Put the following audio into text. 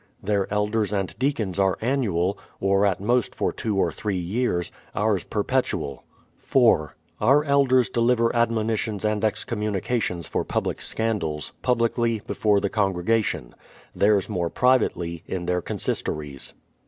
Their elders and deacons are annual, or at most for two or three years; ours perpetual. 30 BRADFORD'S HISTORY OF 4. Our elders deliver admonitions and excommunications for public scandals, publicly, before the congregation; theirs more pri vately, in their consistories.